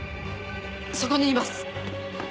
そこにいます。